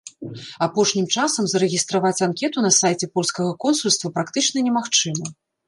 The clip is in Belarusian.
Апошнім часам зарэгістраваць анкету на сайце польскага консульства практычна немагчыма.